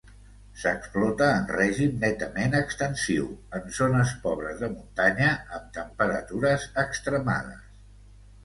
S'explota en règim netament extensiu, en zones pobres de muntanya, amb temperatures extremades.